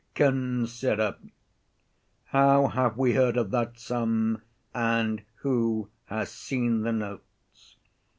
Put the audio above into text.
Consider, how have we heard of that sum, and who has seen the notes?